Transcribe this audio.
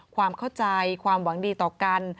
ความเข้าใจความหวังดีต่อกัน